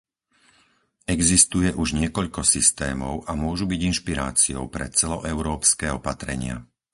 Existuje už niekoľko systémov a môžu byť inšpiráciou pre celoeurópske opatrenia.